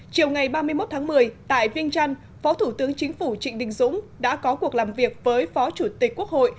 chiều ngày ba mươi một tháng một mươi tại vinh trân phó thủ tướng chính phủ trịnh đình dũng đã có cuộc làm việc với phó chủ tịch quốc hội